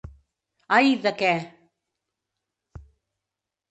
Ai, de què...!